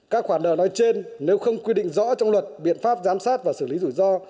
các khoản nợ nói trên nếu không quy định rõ trong luật biện pháp giám sát và xử lý rủi ro